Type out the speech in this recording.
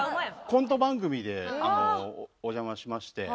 コント番組でお邪魔しまして。